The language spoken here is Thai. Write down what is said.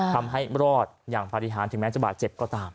ทำให้รอดอย่างปฏิหารถึงแม้จะบาดเจ็บก็ตาม